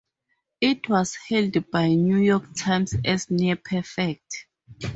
It was hailed by "The New York Times" as "near perfect".